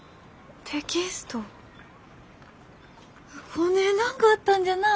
こねえなんがあったんじゃなあ。